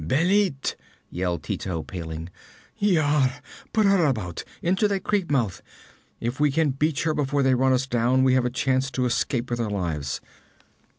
'Bêlit!' yelled Tito, paling. 'Yare! Put her about! Into that creek mouth! If we can beach her before they run us down, we have a chance to escape with our lives!'